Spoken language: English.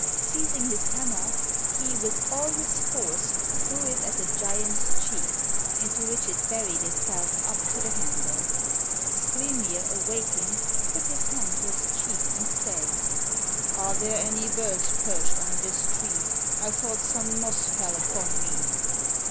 Seizing his hammer, he, with all his force, threw it at the giant's cheek, into which it buried itself up to the handle. Skrymir, awaking, put his hand to his cheek, and said "Are there any birds perched on this tree? I thought some moss fell upon me.